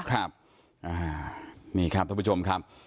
ครับนี่ครับท่านผู้ชมครับ